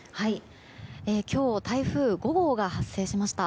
今日、台風５号が発生しました。